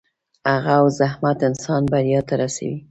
هڅه او زحمت انسان بریا ته رسوي.